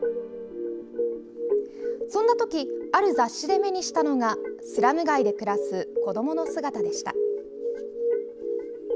そんなときある雑誌で目にしたのがスラム街で暮らす子どもの姿でした。